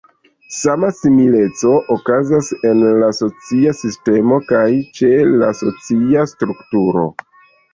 Sama simileco okazas en la "socia sistemo" kaj ĉe la "socia strukturo".